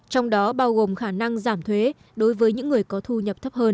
trong đó bao gồm khả năng giảm thuế đối với những người có thu nhập thấp hơn